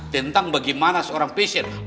tentang bagaimana seorang pisir